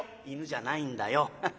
「犬じゃないんだよ」。